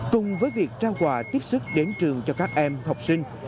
cùng với việc trao quà tiếp sức đến trường cho các em học sinh